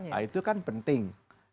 nah itu kan penting